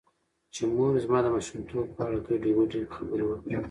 چې مور مې زما د ماشومتوب په اړه ګډې وګډې خبرې وکړې .